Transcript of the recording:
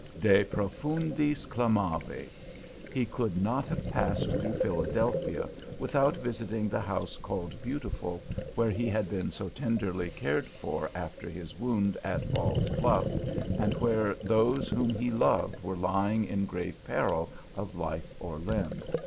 DE PROFUNDIS CLAMAVI! He could not have passed through Philadelphia without visiting the house called Beautiful, where he had been so tenderly cared for after his wound at Ball's Bluff, and where those whom he loved were lying in grave peril of life or limb.